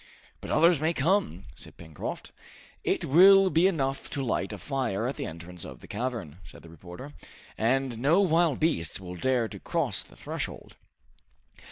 "But others may come," said Pencroft. "It will be enough to light a fire at the entrance of the cavern," said the reporter, "and no wild beasts will dare to cross the threshold."